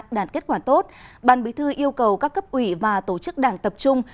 đạt kết quả tốt ban bí thư yêu cầu các cấp ủy và tổ chức đảng tập trung